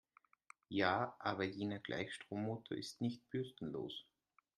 Ja, aber jener Gleichstrommotor ist nicht bürstenlos.